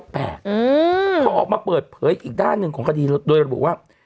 พอออกมาเปิดเผยอีกด้านหนึ่งของคดีโดยระบุว่า